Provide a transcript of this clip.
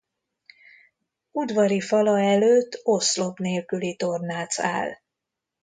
Udvari fala előtt oszlop nélküli tornác áll.